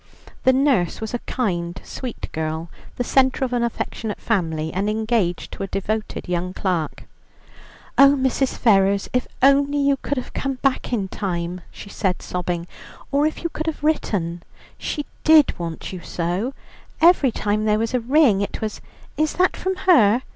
The nurse was a kind, sweet girl, the centre of an affectionate family, and engaged to a devoted young clerk. "Oh, Mrs. Ferrers, if only you could have come back in time," she said, sobbing, "or if you could have written. She did want you so; every time there was a ring it was, 'Is that from her?'